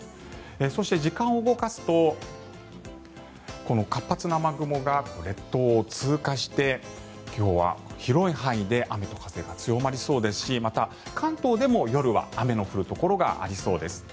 そして、時間を動かすとこの活発な雨雲が列島を通過して今日は広い範囲で雨と風が強まりそうですしまた関東でも夜は雨の降るところがありそうです。